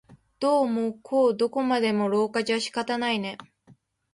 どうもこうどこまでも廊下じゃ仕方ないね